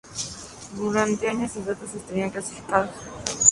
Durante años sus datos estuvieron clasificados.